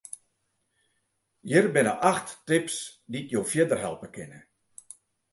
Hjir binne acht tips dy't jo fierder helpe kinne.